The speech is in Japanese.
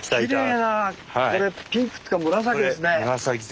きれいなこれピンクっていうか紫ですね。